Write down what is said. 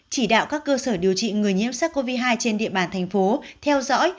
chỉ đạo các cơ sở điều trị người nhiễm sars cov hai trên địa bàn thành phố theo dõi